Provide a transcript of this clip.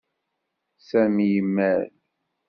Sami imall.